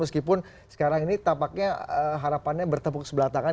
meskipun sekarang ini tampaknya harapannya bertepuk sebelah tangan